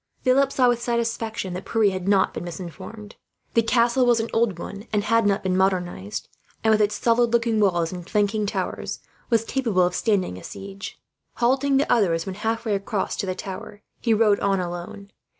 Philip saw, with satisfaction, that Pierre had not been misinformed. The castle was an old one and had not been modernized and, with its solid looking walls and flanking towers, was capable of standing a siege. Halting the others, when halfway across to the tower, he rode on alone.